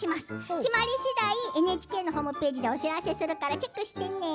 決まり次第、ＮＨＫのホームページでお知らせするからチェックしてね。